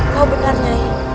kau benar nyai